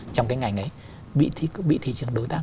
trong cái ngành ấy bị thị trường đối tác